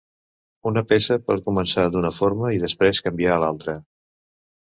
Una peça pot començar d'una forma i després canviar a l'altra.